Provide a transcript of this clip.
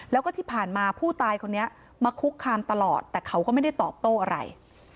แล้วก็ที่ผ่านมาผู้ตายคนนี้มาคุกคามตลอดแต่เขาก็ไม่ได้ตอบโต้อะไร